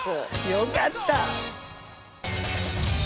よかった！